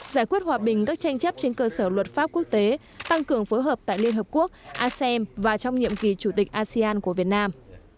giải quyết hòa bình các tranh chấp trên cơ sở luật pháp quốc tế tăng cường phối hợp tại liên hợp quốc asem và trong nhiệm kỳ chủ tịch asean của việt nam